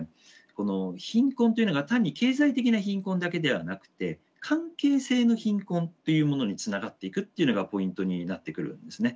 この貧困というのが単に経済的な貧困だけではなくて関係性の貧困っていうものにつながっていくっていうのがポイントになってくるんですね。